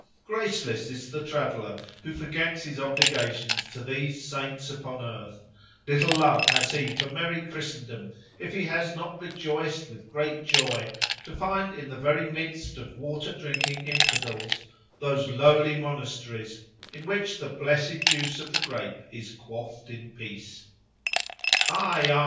Graceless is the traveller who forgets his obligations to these saints upon earth; little love has he for merry Christendom if he has not rejoiced with great joy to find in the very midst of water drinking infidels those lowly monasteries, in which the blessed juice of the grape is quaffed in peace. Ay! ay!